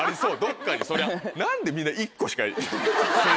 何でみんな１個しか。